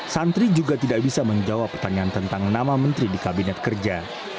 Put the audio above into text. santri juga tidak bisa menjawab pertanyaan tentang nama menteri di kabinet kerja